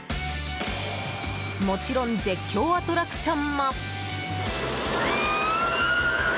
もちろん絶叫アトラクションも。